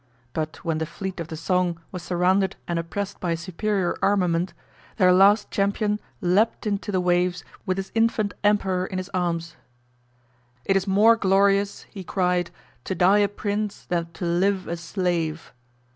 But when the fleet of the Song was surrounded and oppressed by a superior armament, their last champion leaped into the waves with his infant emperor in his arms. "It is more glorious," he cried, "to die a prince, than to live a slave."